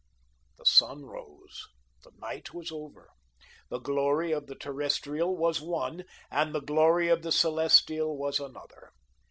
The sun rose. The night was over. The glory of the terrestrial was one, and the glory of the celestial was another.